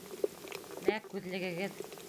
Мә, күҙлегегеҙ!